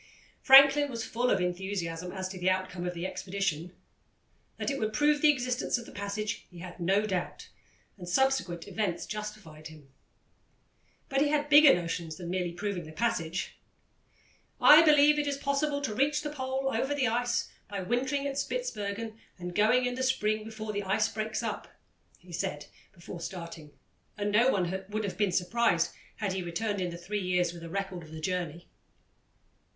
Franklin was full of enthusiasm as to the outcome of the expedition. That it would prove the existence of the passage he had no doubt, and subsequent events justified him. But he had bigger notions than merely proving the passage. "I believe it is possible to reach the Pole over the ice by wintering at Spitzbergen and going in the spring before the ice breaks up," he said before starting, and no one would have been surprised had he returned in the three years with a record of the journey.